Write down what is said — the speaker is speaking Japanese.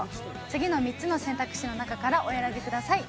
次の３つの選択肢の中からお選びください